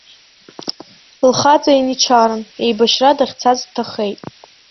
Лхаҵа ианичарын, еибашьра дахьцаз дҭахеит.